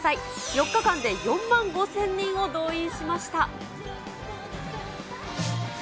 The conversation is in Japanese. ４日間で４万５０００人を動員しました。